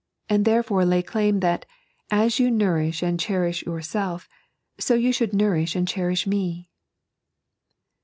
yon; and therefore lay claim that, as yon nouriBb and cfaMiah yooraelf, so yon should nonriBh and cherish me."